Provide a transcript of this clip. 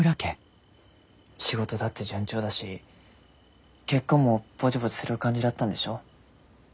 仕事だって順調だし結婚もぼちぼちする感じだったんでしょ？